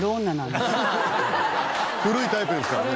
古いタイプですからね。